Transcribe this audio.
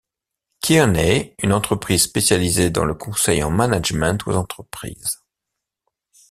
Kearney, une entreprise spécialisée dans le conseil en management aux entreprises.